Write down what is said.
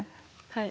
はい。